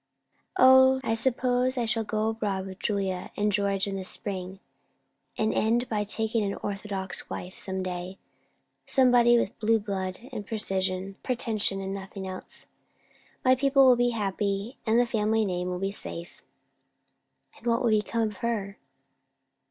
"O, I suppose I shall go abroad with Julia and George in the spring, and end by taking an orthodox wife some day; somebody with blue blood, and pretension, and nothing else. My people will be happy, and the family name will be safe." "And what will become of her?"